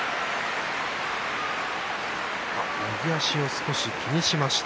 右足を少し気にしました。